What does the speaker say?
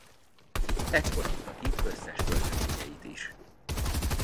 Ekkor adta ki összes költeményeit is.